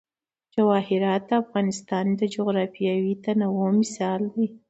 جواهرات د افغانستان د جغرافیوي تنوع مثال دی.